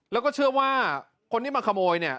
แล้วก็เชื่อว่าคนที่มาขโมยเนี่ย